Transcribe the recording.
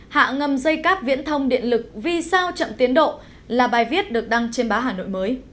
hạ ngầm dây cáp viễn thông điện lực vì sao chậm tiến độ là bài viết được đăng trên báo hà nội mới